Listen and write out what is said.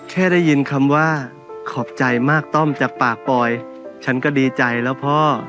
ได้ยินคำว่าขอบใจมากต้อมจากปากปอยฉันก็ดีใจแล้วพ่อ